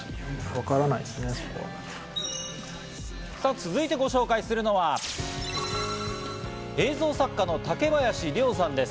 続いてご紹介するのは、映像作家の竹林亮さんです。